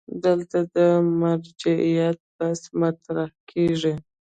دلته د مرجعیت بحث مطرح کېږي.